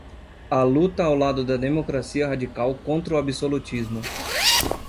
a luta ao lado da democracia radical contra o absolutismo